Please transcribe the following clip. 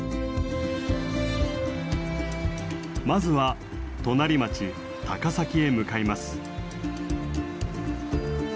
まずは隣町高崎へ向かいます。